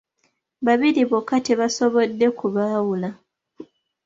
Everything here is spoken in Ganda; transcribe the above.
Babiri bokka tebasobodde kubaawula.